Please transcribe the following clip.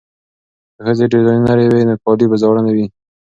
که ښځې ډیزاینرې وي نو کالي به زاړه نه وي.